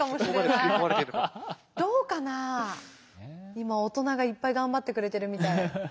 今大人がいっぱい頑張ってくれてるみたい。